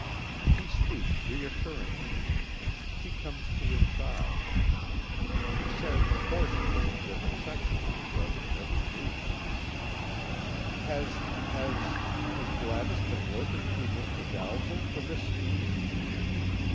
He speaks reassuringly. She comes to his side. She says hoarsely, with excitement expressed in every movement; "Has has has Gladys been working through Mr. Dalzel for this scheme?"